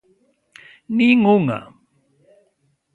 ¡Nin unha!